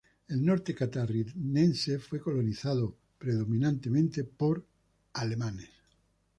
El Norte catarinense fue colonizado predominantemente por alemanes.